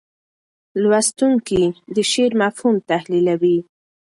لوستونکي د شعر مفهوم تحلیلوي.